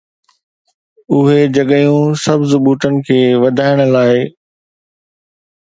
اهي جڳهيون سبز ٻوٽن کي وڌائڻ لاء